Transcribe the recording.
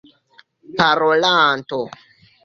parolanto